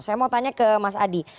saya mau tanya ke mas adi